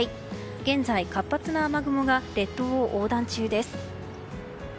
現在、活発な雨雲が列島を横断中です。